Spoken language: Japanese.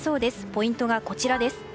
ポイントがこちら。